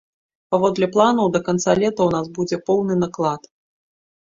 Паводле планаў, да канца лета у нас будзе поўны наклад.